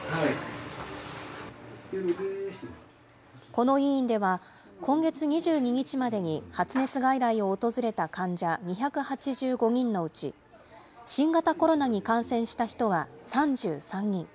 この医院では、今月２２日までに発熱外来を訪れた患者２８５人のうち、新型コロナに感染した人は３３人。